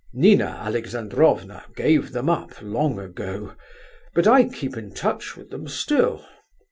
Nina Alexandrovna gave them up long ago, but I keep in touch with them still...